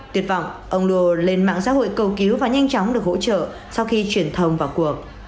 tuyệt vọng ông đô lên mạng xã hội cầu cứu và nhanh chóng được hỗ trợ sau khi truyền thông vào cuộc